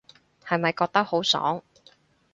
係咪覺得好爽